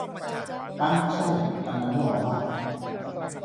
อ๊ะ ใช่ อันนั้นหล่อมาก